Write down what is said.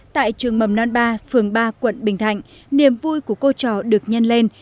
tại trường mầm non ba phường ba quận bình thạnh niềm vui của cô trò được nhân lên